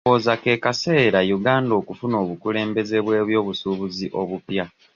Ndowooza ke kaseera Uganda okufuna obukulembeze bw'ebyobufuzi obupya.